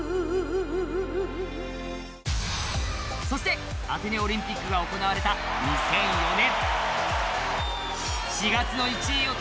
そしてアテネオリンピックが行われた２００４年。